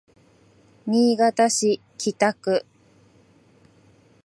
新潟市北区